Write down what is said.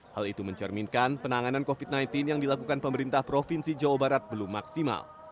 hal itu mencerminkan penanganan covid sembilan belas yang dilakukan pemerintah provinsi jawa barat belum maksimal